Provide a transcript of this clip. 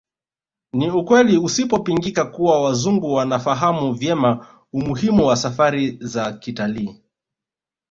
Ni ukweli usiopingika kuwa Wazungu wanafahamu vyema umuhimu wa safari za kitalii